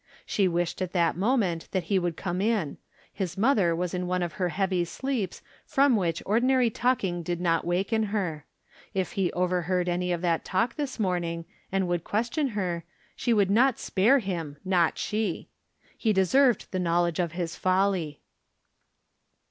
She wished at that moment that he would come in. His mother was in one of her heavy sleeps from which ordinary talking did not waken her. If he OYerheard any of that talk this morning, and would question her, she would not spare him, not she. He deserved the know ledge of his folly.